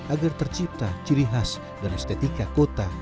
agar tercipta ciri khas dan estetika kota